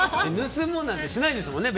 盗もうなんてしないですもんね。